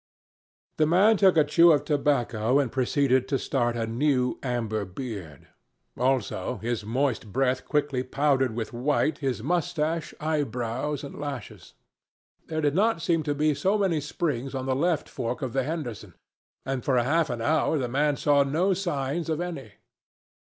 The man took a chew of tobacco and proceeded to start a new amber beard. Also, his moist breath quickly powdered with white his moustache, eyebrows, and lashes. There did not seem to be so many springs on the left fork of the Henderson, and for half an hour the man saw no signs of any.